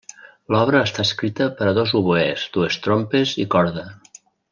L'obra està escrita per a dos oboès, dues trompes i corda.